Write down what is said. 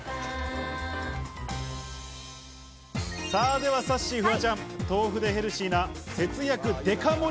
では、さっしー、フワちゃん、豆腐でヘルシーな節約デカ盛り